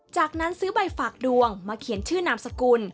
จากนั้นซื้อใบฝากดวงมาเขียนชื่อนามสกุล